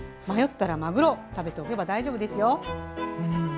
迷ったらまぐろ食べておけば大丈夫ですよ！